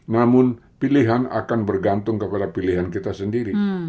namun pilihan akan bergantung kepada pilihan kita sendiri